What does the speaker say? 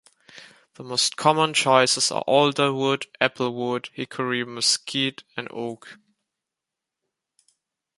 The most common choices are alder wood, apple wood, hickory, mesquite, and oak.